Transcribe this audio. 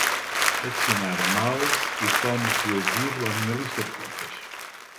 Adicionar mouse e fones de ouvido à minha lista de compras